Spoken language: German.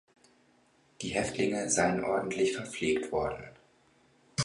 Die Häftlinge seien ordentlich verpflegt worden.